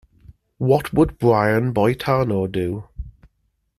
What Would Brian Boitano Do?